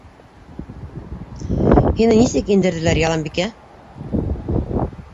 — Һине нисек индерҙеләр, Яланбикә?